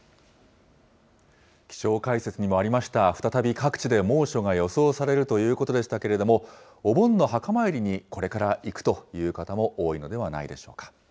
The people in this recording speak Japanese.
気象解説にもありました、再び各地で猛暑が予想されるということでしたけれども、お盆の墓参りにこれから行くという方も多いのではないでしょうか。